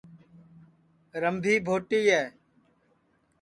رمبھی بھوٹی ہے